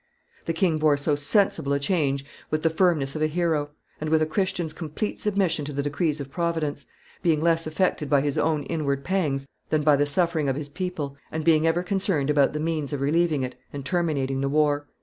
The king bore so sensible a change with the firmness of a hero, and with a Christian's complete submission to the decrees of Providence, being less affected by his own inward pangs than by the suffering of his people, and being ever concerned about the means of relieving it, and terminating the war.